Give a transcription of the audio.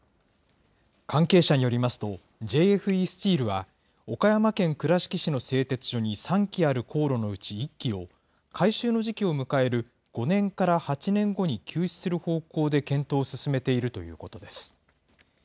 関係者によりますと、ＪＦＥスチールは、岡山県倉敷市の製鉄所に３基ある高炉のうち１基を、改修の時期を迎える５年から８年後に休止する方向で検討を進めているということです。